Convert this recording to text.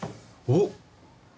おっ！